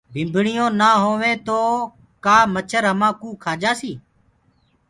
ڀمڀڻيونٚ نآ هوينٚ گو ڪآ مڇر همآ ڪوُ کآ جآسي۔